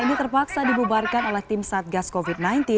ini terpaksa dibubarkan oleh tim satgas covid sembilan belas